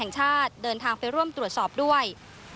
แห่งชาติเดินทางไปร่วมตรวจสอบด้วย